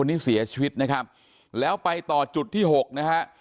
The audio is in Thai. วันนี้เสียชีวิตนะครับแล้วไปต่อจุดที่หกนะฮะ